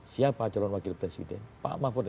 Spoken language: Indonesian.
siapa calon wakil presiden pak mahfud